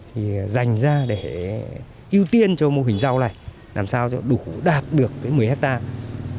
thì dành ra để ưu tiên cho mô hình rau này làm sao cho đủ đạt được một mươi hectare